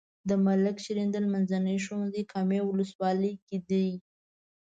د ملک شیریندل منځنی ښوونځی کامې ولسوالۍ کې دی.